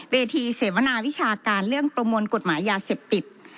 เวทีเสวนาวิชาการเรื่องประมวลกฎหมายยาเสพติด